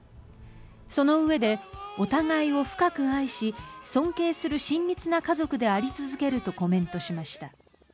そのうえでお互いを深く愛し尊敬する親密な家族であり続けるとコメントしました。